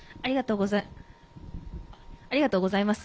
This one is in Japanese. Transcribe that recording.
ありがとうございます。